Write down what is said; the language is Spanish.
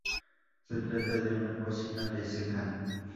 Se trata de una cocina de secano.